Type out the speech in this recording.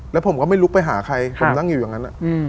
แล้วผมก็ไม่ลุกไปหาใครผมนั่งอยู่อย่างนั้น